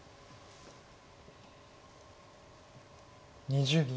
２０秒。